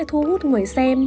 thu hút người xem